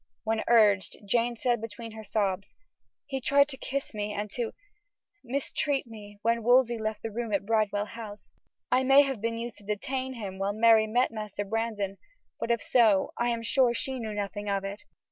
When urged, Jane said between her sobs: "He tried to kiss me and to mistreat me when Wolsey left the room at Bridewell House. I may have been used to detain him, while Mary met Master Brandon, but if so, I am sure she knew nothing of it."